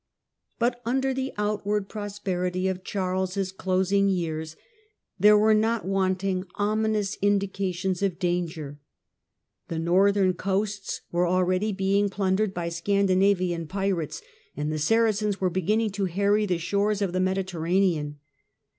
But under the outward prosperity of Charles' closing years there were not wanting ominous indications of danger. The northern coasts were already being plundered by Scandinavian pirates, and the Saracens were beginning to harry the shores of the Mediterranean.